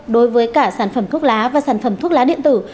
đối với cả sản phẩm thuốc lá và sản phẩm thuốc lá điện tử